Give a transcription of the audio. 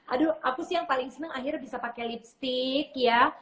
aduh aku sih yang paling senang akhirnya bisa pakai lipstick ya